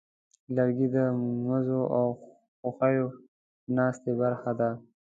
لرګی د مزو او خوښیو ناستې برخه ده.